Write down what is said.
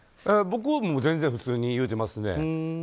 僕も全然普通に言うてますね。